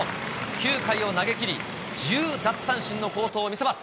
９回を投げ切り、１０奪三振の好投を見せます。